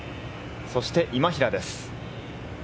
そして今平です。